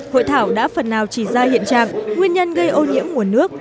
hội thảo đã phần nào chỉ ra hiện trạng nguyên nhân gây ô nhiễm nguồn nước